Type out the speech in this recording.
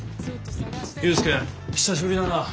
勇介久しぶりだな。